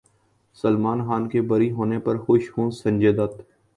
سلمان خان کے بری ہونے پر خوش ہوں سنجے دت